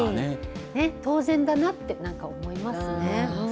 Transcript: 当然だなって思いますね。